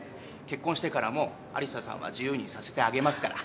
結婚してからも有沙さんは自由にさせてあげますから。